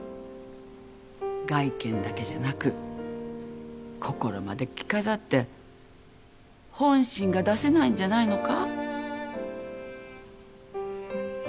外見だけじゃなく心まで着飾って本心が出せないんじゃないのか？